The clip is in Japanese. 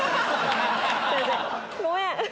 ごめん！